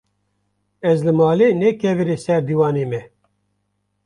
ez li malê ne kevirê ser dîwanê me